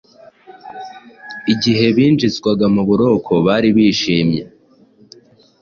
Igihe binjizwaga mu buroko bari bishimye,